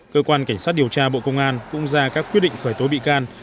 cơ quan cảnh sát điều tra bộ công an cũng ra các quyết định khởi tố bị can